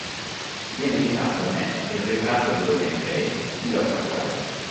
Viene citato ne "Il ritratto di Dorian Gray" di Oscar Wilde.